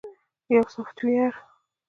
- یو سافټویر 📦